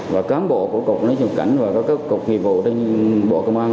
và cán bộ của cục quản lý xuất nhập cảnh và các cục nghiệp bộ bộ công an